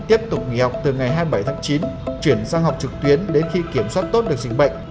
tiếp tục nghỉ học từ ngày hai mươi bảy tháng chín chuyển sang học trực tuyến đến khi kiểm soát tốt được dịch bệnh